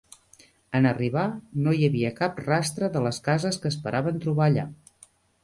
En arribar, no hi havia cap rastre de les cases que esperaven trobar allà.